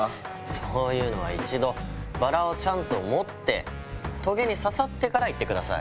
そういうのは一度、バラをちゃんと持って、とげに刺さってから言ってください。